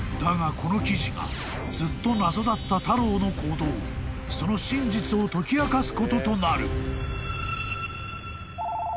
この記事がずっと謎だったタローの行動その真実を解き明かすこととなる］